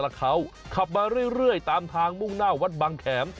แล้วเขาขับมาเรื่อยตามทางมุ่งหน้าวัดบางแขม